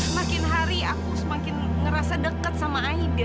makin hari aku semakin ngerasa deket sama aida